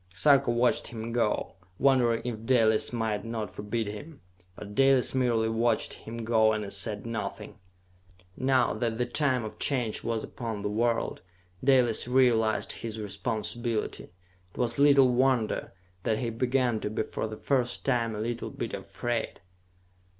Sarka watched him go, wondering if Dalis might not forbid him. But Dalis merely watched him go and said nothing. Now that the time of Change was upon the world, Dalis realized his responsibility. It was little wonder that he began to be for the first time a little bit afraid.